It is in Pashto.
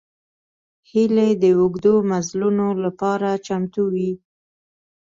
هیلۍ د اوږدو مزلونو لپاره چمتو وي